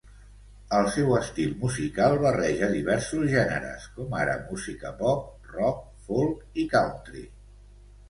El seu estil musical barreja diversos gèneres com ara música pop, rock, folk i country.